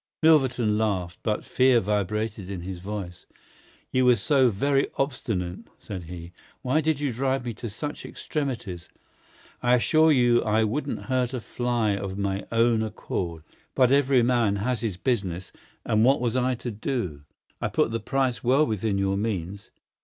Milverton laughed, but fear vibrated in his voice. "You were so very obstinate," said he. "Why did you drive me to such extremities? I assure you I wouldn't hurt a fly of my own accord, but every man has his business, and what was I to do? I put the price well within your means.